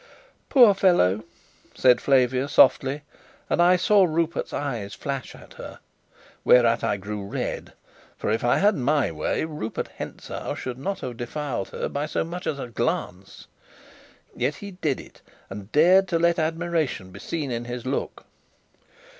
"Poor fellow!" said Flavia softly, and I saw Rupert's eyes flash at her. Whereat I grew red; for, if I had my way, Rupert Hentzau should not have defiled her by so much as a glance. Yet he did it and dared to let admiration be seen in his look.